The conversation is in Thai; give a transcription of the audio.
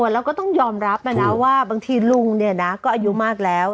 เราก็ต้องยอมรับนะว่าบางทีลุงเนี่ยนะก็อายุมากแล้ว